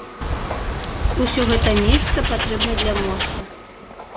Усё гэта месца патрэбна для моста.